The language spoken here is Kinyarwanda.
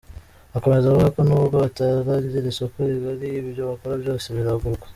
Akomeza avuga ko nubwo bataragira isoko rigari, ibyo bakora byose biragurwa.